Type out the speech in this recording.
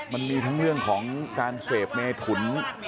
มันมีทั้งเรื่องของการเสพเมถุน